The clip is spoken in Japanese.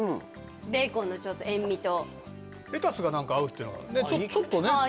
ベーコンの塩味とレタスが何か合うっていうのがちょっとねああ